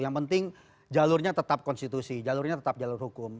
yang penting jalurnya tetap konstitusi jalurnya tetap jalur hukum